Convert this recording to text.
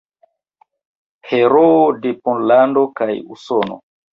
Heroo de Pollando kaj Usono.